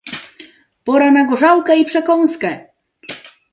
"Pora na gorzałkę i przekąskę!"